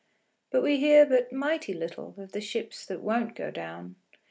But we hear but mighty little Of the ships that won't go down.